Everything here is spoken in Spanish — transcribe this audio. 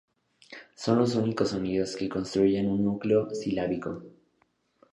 Son los únicos sonidos que construyen un núcleo silábico.